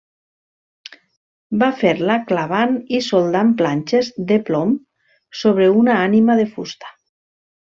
Va fer-la clavant i soldant planxes de plom sobre una ànima de fusta.